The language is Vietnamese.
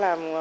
ép làm sao